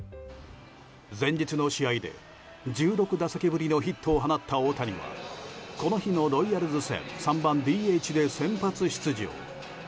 前日の試合で１６打席ぶりのヒットを放った大谷はこの日のロイヤルズ戦３番ＤＨで先発出場。